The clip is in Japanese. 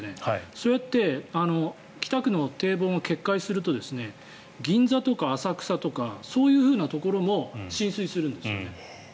そうやって北区の堤防が決壊すると銀座とか浅草とかそういうふうなところも浸水するんですよね。